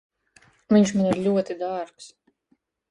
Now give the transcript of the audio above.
Viņš man ir ļoti dārgs.